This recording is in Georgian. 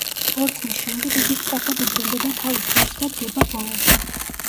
ტყორცნის შემდეგ იგი სწრაფად უბრუნდება თავის გუნდს და დგება ბოლოში.